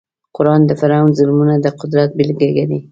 قران د فرعون ظلمونه د قدرت بېلګه ګڼي.